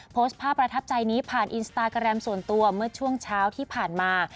โพสต์ภาพประทับใจนี้ผ่านอินสตาแกรมส่วนตัวเมื่อช่วงเช้าที่ผ่านมา